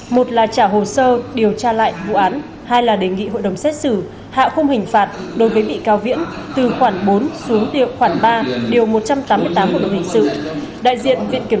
một là trả hồ sơ điều tra lại vụ án hai là đề nghị hội đồng xét xử hạ khung hình phạt đối với bị cáo viễn từ khoảng bốn xuống khoảng ba điều một trăm tám mươi tám của đồng hình xử